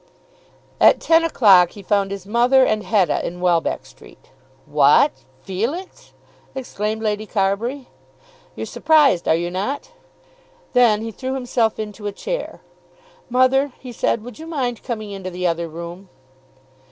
At ten o'clock he found his mother and Hetta in Welbeck Street "What; Felix?" exclaimed Lady Carbury. "You're surprised; are you not?" Then he threw himself into a chair. "Mother," he said, "would you mind coming into the other room?"